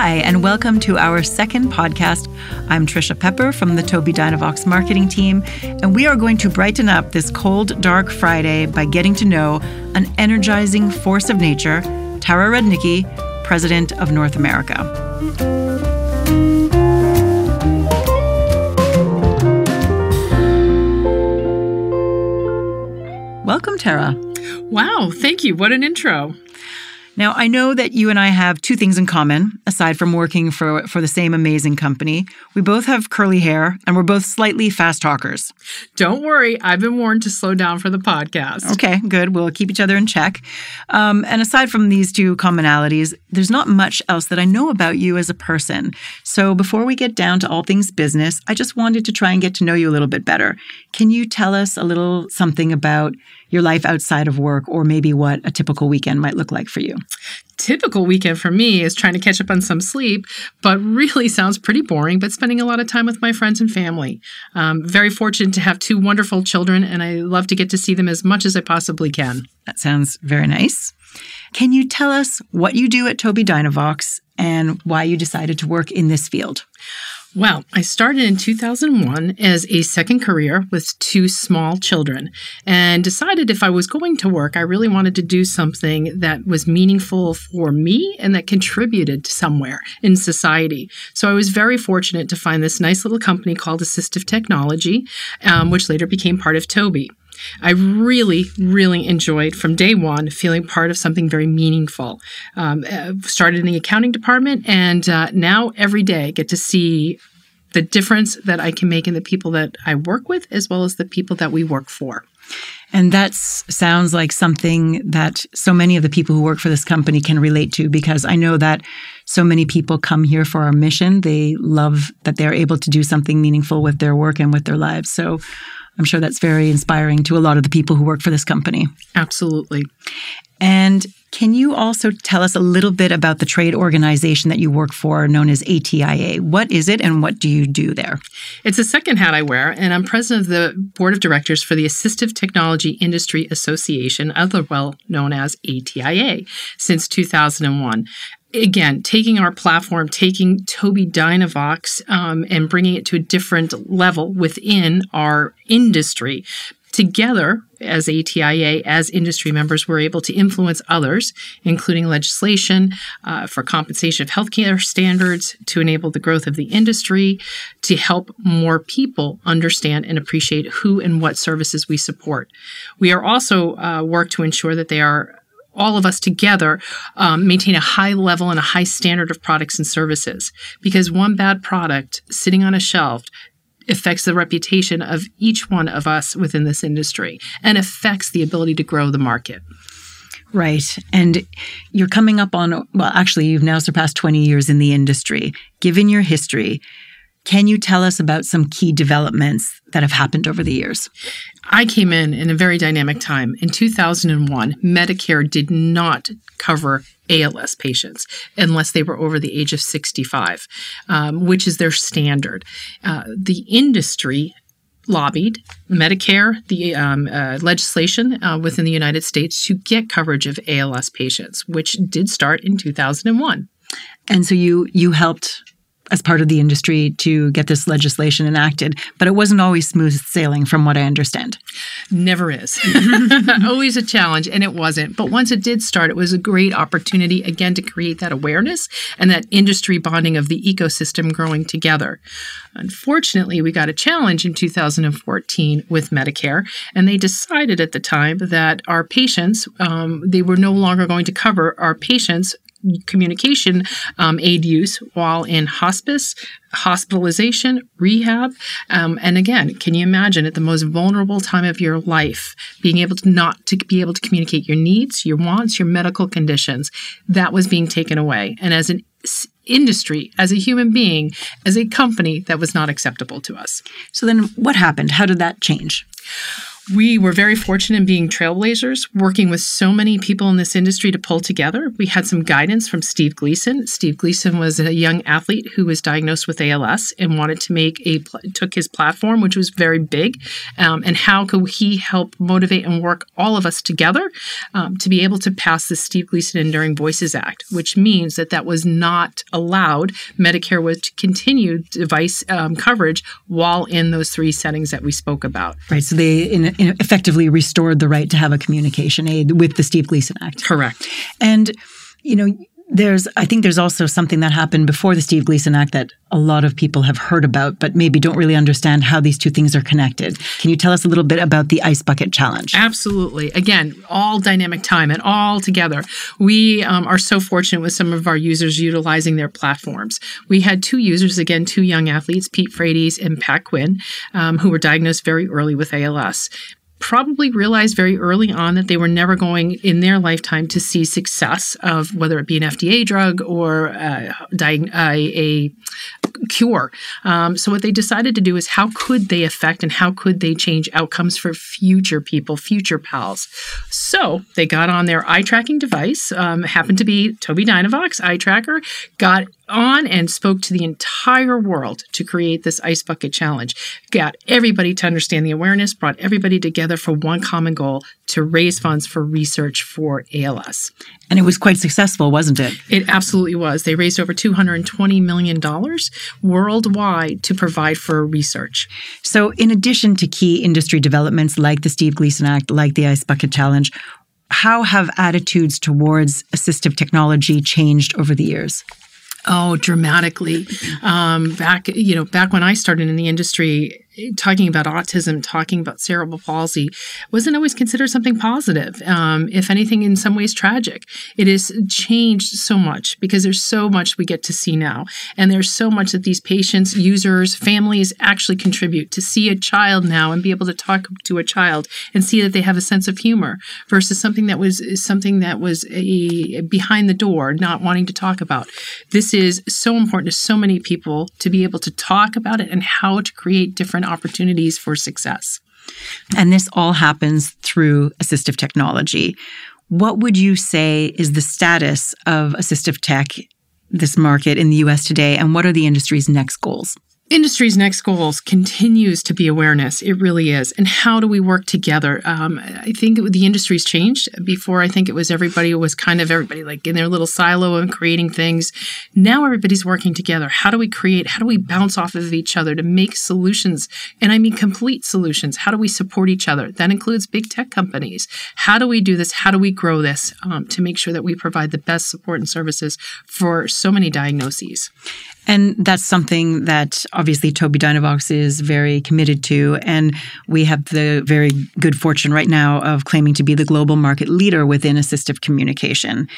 Hi, welcome to our second podcast. I'm Tricia Pepper from the Tobii Dynavox marketing team, and we are going to brighten up this cold, dark Friday by getting to know an energizing force of nature, Tara Rudnicki, President of North America. Welcome, Tara. Wow. Thank you. What an intro. Now, I know that you and I have two things in common, aside from working for the same amazing company. We both have curly hair, and we're both slightly fast talkers. Don't worry, I've been warned to slow down for the podcast. Okay, good. We'll keep each other in check. Aside from these two commonalities, there's not much else that I know about you as a person. Before we get down to all things business, I just wanted to try and get to know you a little bit better. Can you tell us a little something about your life outside of work or maybe what a typical weekend might look like for you? Typical weekend for me is trying to catch up on some sleep, but really sounds pretty boring. Spending a lot of time with my friends and family. Very fortunate to have two wonderful children, and I love to get to see them as much as I possibly can. That sounds very nice. Can you tell us what you do at Tobii Dynavox and why you decided to work in this field? I started in 2001 as a second career with two small children and decided if I was going to work, I really wanted to do something that was meaningful for me and that contributed somewhere in society. I was very fortunate to find this nice little company called Assistive Technology, which later became part of Tobii. I really enjoyed from day one feeling part of something very meaningful. Started in the accounting department and now every day get to see the difference that I can make in the people that I work with as well as the people that we work for. That's sounds like something that so many of the people who work for this company can relate to because I know that so many people come here for our mission. They love that they're able to do something meaningful with their work and with their lives. I'm sure that's very inspiring to a lot of the people who work for this company. Absolutely. Can you also tell us a little bit about the trade organization that you work for known as ATIA? What is it, and what do you do there? It's a second hat I wear. I'm president of the board of directors for the Assistive Technology Industry Association, other well known as ATIA, since 2001. Taking our platform, taking Tobii Dynavox, and bringing it to a different level within our industry. Together as ATIA, as industry members, we're able to influence others, including legislation, for compensation of healthcare standards to enable the growth of the industry to help more people understand and appreciate who and what services we support. We also work to ensure that they are, all of us together, maintain a high level and a high standard of products and services. One bad product sitting on a shelf affects the reputation of each one of us within this industry and affects the ability to grow the market. Right. You're coming up on, well, actually, you've now surpassed 20 years in the industry. Given your history, can you tell us about some key developments that have happened over the years? I came in in a very dynamic time. In 2001, Medicare did not cover ALS patients unless they were over the age of 65, which is their standard. The industry lobbied Medicare, the legislation within the United States to get coverage of ALS patients, which did start in 2001. You helped as part of the industry to get this legislation enacted but it wasn't always smooth sailing from what I understand. Never is always a challenge. It wasn't. Once it did start, it was a great opportunity again to create that awareness and that industry bonding of the ecosystem growing together. Unfortunately, we got a challenge in 2014 with Medicare. They decided at the time that our patients, they were no longer going to cover our patients' communication aid use while in hospice, hospitalization, rehab. Again, can you imagine at the most vulnerable time of your life being able to not to be able to communicate your needs, your wants, your medical conditions? That was being taken away. As an industry, as a human being, as a company, that was not acceptable to us. What happened? How did that change? We were very fortunate in being trailblazers, working with so many people in this industry to pull together. We had some guidance from Steve Gleason. Steve Gleason was a young athlete who was diagnosed with ALS and took his platform, which was very big, and how could he help motivate and work all of us together, to be able to pass the Steve Gleason Enduring Voices Act, which means that that was not allowed. Medicare was to continue device, coverage while in those three settings that we spoke about. Right. They effectively restored the right to have a communication aid with the Steve Gleason Act? Correct. You know, I think there's also something that happened before the Steve Gleason Act that a lot of people have heard about but maybe don't really understand how these two things are connected. Can you tell us a little bit about the Ice Bucket Challenge? Absolutely. Again, all dynamic time and all together. We are so fortunate with some of our users utilizing their platforms. We had two users, again, two young athletes, Pete Frates and Pat Quinn, who were diagnosed very early with ALS, probably realized very early on that they were never going in their lifetime to see success of whether it be an FDA drug or a cure. What they decided to do is how could they affect and how could they change outcomes for future people, future PALS. They got on their eye-tracking device, happened to be Tobii Dynavox eye tracker, got on and spoke to the entire world to create this Ice Bucket Challenge, got everybody to understand the awareness, brought everybody together for one common goal, to raise funds for research for ALS. It was quite successful, wasn't it? It absolutely was. They raised over $220 million worldwide to provide for research. In addition to key industry developments like the Steve Gleason Act, like the Ice Bucket Challenge? How have attitudes towards assistive technology changed over the years? Oh, dramatically. back, you know, back when I started in the industry, talking about autism, talking about cerebral palsy wasn't always considered something positive, if anything, in some ways tragic. It has changed so much because there's so much we get to see now, and there's so much that these patients, users, families actually contribute. To see a child now and be able to talk to a child and see that they have a sense of humor versus something that was a behind the door, not wanting to talk about. This is so important to so many people to be able to talk about it and how to create different opportunities for success. This all happens through assistive technology. What would you say is the status of assistive tech, this market in the U.S. today, and what are the industry's next goals? Industry's next goals continues to be awareness. It really is. How do we work together? I think the industry's changed. Before, I think it was everybody was kind of everybody like in their little silo and creating things. Now everybody's working together. How do we create? How do we bounce off of each other to make solutions? I mean, complete solutions. How do we support each other? That includes big tech companies. How do we do this? How do we grow this, to make sure that we provide the best support and services for so many diagnoses? That's something that obviously Tobii Dynavox is very committed to, and we have the very good fortune right now of claiming to be the global market leader within assistive communication.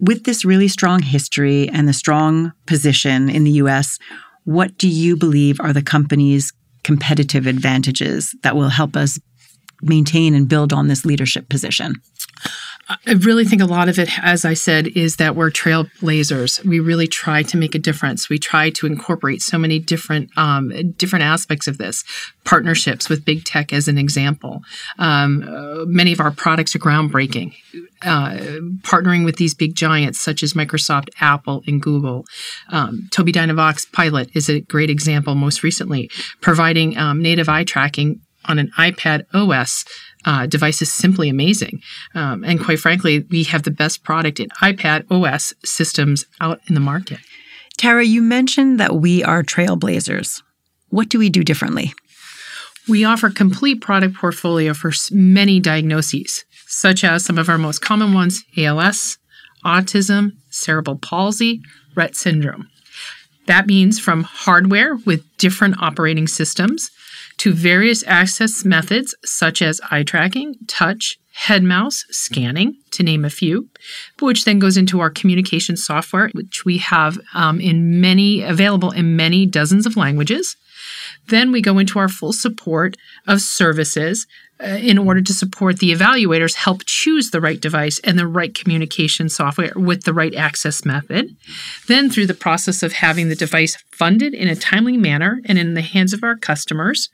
With this really strong history and the strong position in the U.S., what do you believe are the company's competitive advantages that will help us maintain and build on this leadership position? I really think a lot of it, as I said, is that we're trailblazers. We really try to make a difference. We try to incorporate so many different aspects of this. Partnerships with big tech as an example. Many of our products are groundbreaking. Partnering with these big giants such as Microsoft, Apple, and Google. Tobii Dynavox Pilot is a great example, most recently providing native eye tracking on an iPadOS device is simply amazing. Quite frankly, we have the best product in iPadOS systems out in the market. Tara, you mentioned that we are trailblazers. What do we do differently? We offer complete product portfolio for many diagnoses, such as some of our most common ones ALS, autism, cerebral palsy, Rett syndrome. That means from hardware with different operating systems to various access methods such as eye tracking, touch, HeadMouse, scanning, to name a few, which then goes into our communication software, which we have, in many, available in many dozens of languages. We go into our full support of services in order to support the evaluators help choose the right device and the right communication software with the right access method. Through the process of having the device funded in a timely manner and in the hands of our customers,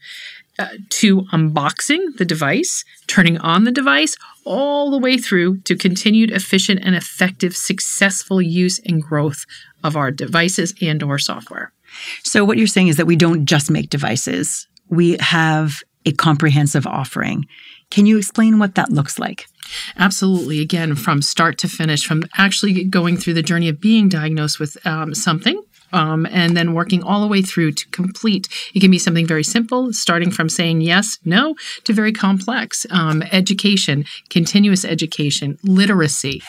to unboxing the device, turning on the device, all the way through to continued efficient and effective successful use and growth of our devices and/or software. What you're saying is that we don't just make devices. We have a comprehensive offering. Can you explain what that looks like? Absolutely. Again, from start to finish, from actually going through the journey of being diagnosed with something, and then working all the way through to complete. It can be something very simple, starting from saying yes, no, to very complex education, continuous education, literacy.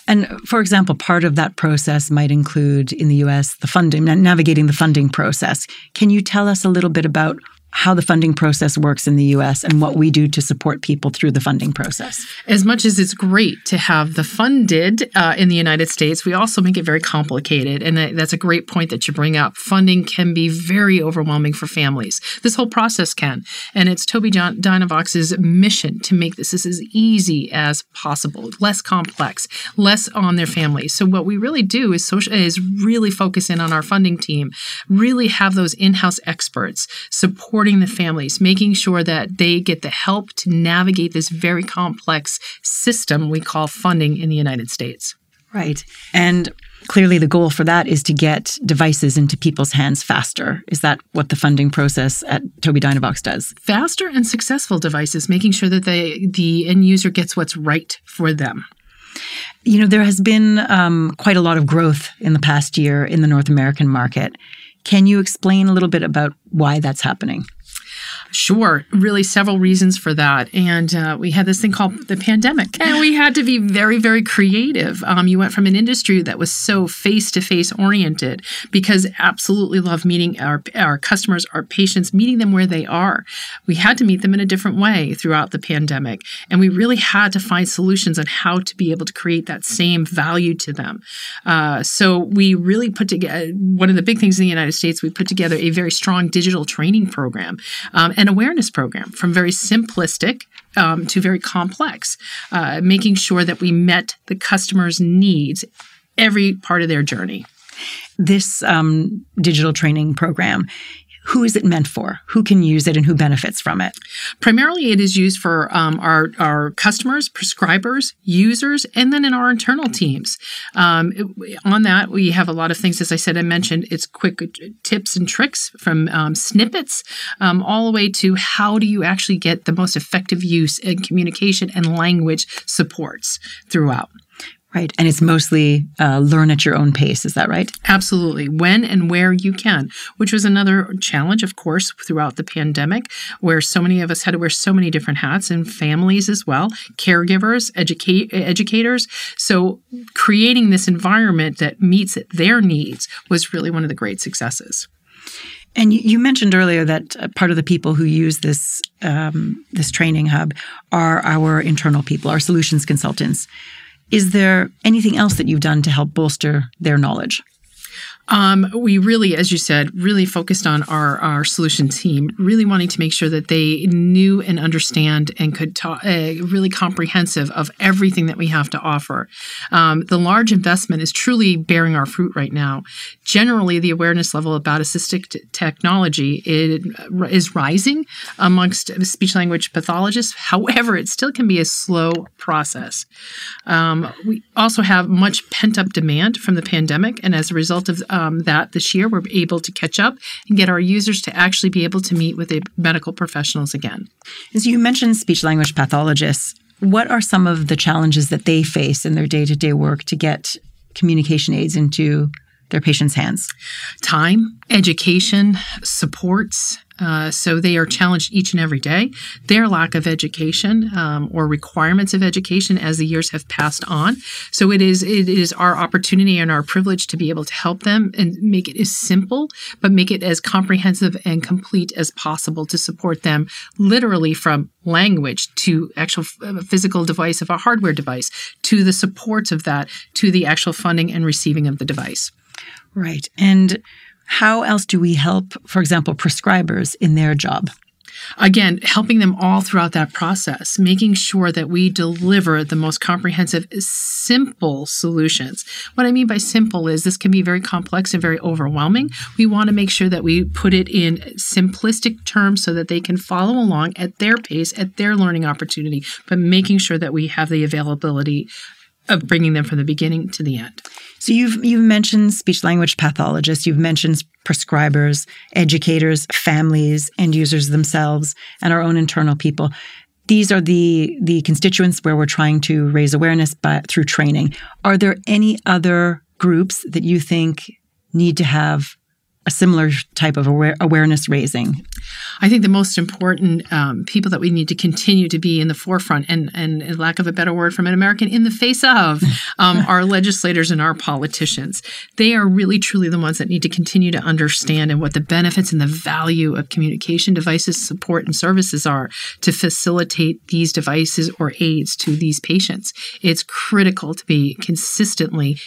For example, part of that process might include in the US the funding, navigating the funding process. Can you tell us a little bit about how the funding process works in the US and what we do to support people through the funding process? As much as it's great to have the funded, in the United States, we also make it very complicated, and that's a great point that you bring up. Funding can be very overwhelming for families. This whole process can, and it's Tobii Dynavox's mission to make this as easy as possible, less complex, less on their families. What we really do is really focus in on our funding team, really have those in-house experts supporting the families, making sure that they get the help to navigate this very complex system we call funding in the United States. Right. Clearly, the goal for that is to get devices into people's hands faster. Is that what the funding process at Tobii Dynavox does? Faster and successful devices, making sure that they, the end user gets what's right for them. You know, there has been quite a lot of growth in the past year in the North American market. Can you explain a little bit about why that's happening? Sure. Really several reasons for that. We had this thing called the pandemic, and we had to be very, very creative. You went from an industry that was so face-to-face oriented because absolutely love meeting our customers, our patients, meeting them where they are. We had to meet them in a different way throughout the pandemic, and we really had to find solutions on how to be able to create that same value to them. One of the big things in the United States, we put together a very strong digital training program, an awareness program from very simplistic to very complex, making sure that we met the customer's needs every part of their journey. This, digital training program, who is it meant for? Who can use it, and who benefits from it? Primarily, it is used for our customers, prescribers, users, and then in our internal teams. On that, we have a lot of things, as I said, I mentioned it's quick tips and tricks from snippets all the way to how do you actually get the most effective use in communication and language supports throughout. Right. It's mostly, learn at your own pace, is that right? Absolutely. When and where you can, which was another challenge, of course, throughout the pandemic, where so many of us had to wear so many different hats, and families as well, caregivers, educators. Creating this environment that meets their needs was really one of the great successes. You mentioned earlier that a part of the people who use this training hub are our internal people, our solutions consultants. Is there anything else that you've done to help bolster their knowledge? We really, as you said, really focused on our solution team, really wanting to make sure that they knew and understand and could really comprehensive of everything that we have to offer. The large investment is truly bearing our fruit right now. Generally, the awareness level about assistive technology is rising amongst speech-language pathologists, however, it still can be a slow process. We also have much pent-up demand from the pandemic, as a result of that this year, we're able to catch up and get our users to actually be able to meet with a medical professionals again. As you mentioned speech-language pathologists, what are some of the challenges that they face in their day-to-day work to get communication aids into their patients' hands? Time, education, supports. They are challenged each and every day. Their lack of education, or requirements of education as the years have passed on. It is our opportunity and our privilege to be able to help them and make it as simple, but make it as comprehensive and complete as possible to support them literally from language to actual a physical device, of a hardware device, to the supports of that, to the actual funding and receiving of the device. Right. How else do we help, for example, prescribers in their job? Helping them all throughout that process, making sure that we deliver the most comprehensive, simple solutions. What I mean by simple is this can be very complex and very overwhelming. We want to make sure that we put it in simplistic terms so that they can follow along at their pace, at their learning opportunity, making sure that we have the availability of bringing them from the beginning to the end. You've mentioned speech-language pathologists, you've mentioned prescribers, educators, families, end users themselves, and our own internal people. These are the constituents where we're trying to raise awareness by, through training. Are there any other groups that you think need to have a similar type of awareness raising? I think the most important people that we need to continue to be in the forefront, and for lack of a better word from an American, in the face of our legislators and our politicians. They are really truly the ones that need to continue to understand and what the benefits and the value of communication devices, support, and services are to facilitate these devices or aids to these patients. It's critical to be consistently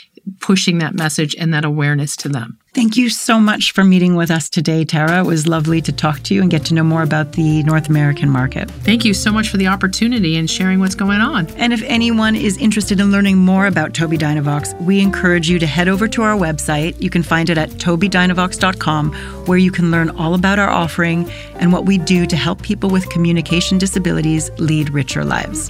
pushing that message and that awareness to them. Thank you so much for meeting with us today, Tara. It was lovely to talk to you and get to know more about the North American market. Thank you so much for the opportunity and sharing what's going on. If anyone is interested in learning more about Tobii Dynavox, we encourage you to head over to our website. You can find it at tobiidynavox.com, where you can learn all about our offering and what we do to help people with communication disabilities lead richer lives.